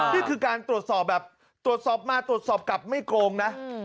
นี่คือการตรวจสอบมาตรวจสอบกลับไม่โกงนะ